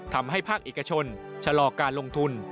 ทำให้ภาคเอกชนชะลอการลงทุน